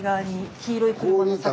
黄色い車の先に。